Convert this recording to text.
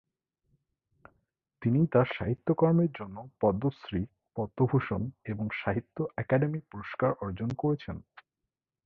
তিনি তার সাহিত্যকর্মের জন্য পদ্মশ্রী, পদ্মভূষণ এবং সাহিত্য অকাদেমি পুরস্কার অর্জন করেছেন।